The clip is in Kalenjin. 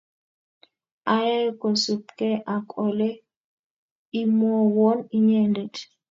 Ayae kosupkei ak ole imwowon inyendet.